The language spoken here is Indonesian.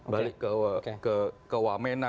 balik ke wamena